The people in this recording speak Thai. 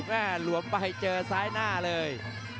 หลวมไปเจอซ้ายหน้าเลย